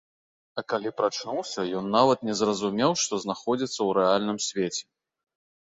А калі прачнуўся, ён нават не зразумеў, што знаходзіцца ў рэальным свеце.